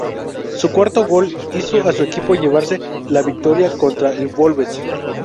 Su cuarto gol hizo a su equipo llevársela victoria contra el Wolves.